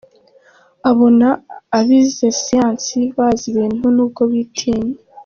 Abona abize Siyansi bazi ibintu nubwo bitinya.